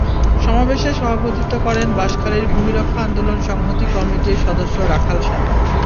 সমাবেশে সভাপতিত্ব করেন বাঁশখালীর ভূমি রক্ষা আন্দোলন সংহতি কমিটির সদস্য রাখাল রাহা।